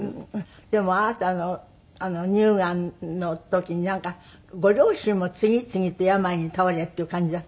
でもあなたの乳がんの時になんかご両親も次々と病に倒れっていう感じだったんですって？